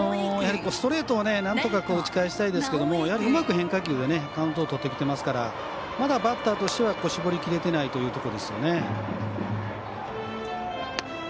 ストレートをなんとか打ち返したいですけどやはりうまく変化球でカウントをとってきてますからまだバッターとしては絞りきれていないというところですよね。